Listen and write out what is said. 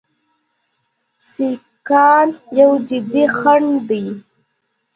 سیکهان یو جدي خنډ دی.